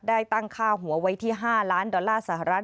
ได้ตั้งค่าหัวไว้ที่๕ล้านดอลลาร์สหรัฐ